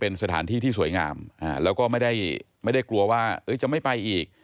เป็นสถานที่ที่สวยงามแล้วก็ไม่ได้กลัวว่าจะไม่ไปอีก